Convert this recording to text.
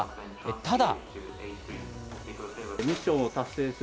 ただ。